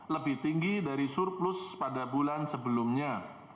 lebih tinggi dari surplus pada bulan sebelumnya